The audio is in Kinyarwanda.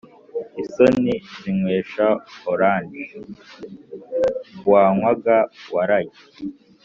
• isoni zinywesha orange wanywaga waragi